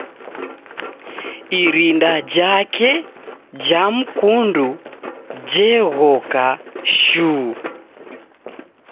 Irinda Jake cha mkundu je ghoka shuu.